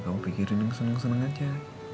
mau pikirin yang seneng seneng aja